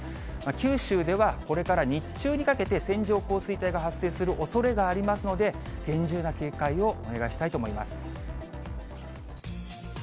九州ではこれから日中にかけて、線状降水帯が発生するおそれがありますので、厳重な警戒をお願いしたいと思います。